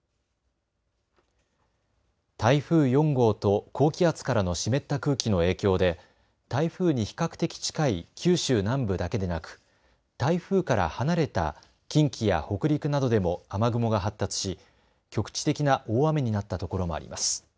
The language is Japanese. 台風４号と高気圧からの湿った空気の影響で、台風に比較的近い九州南部だけでなく台風から離れた近畿や北陸などでも雨雲が発達し局地的な大雨になったところもあります。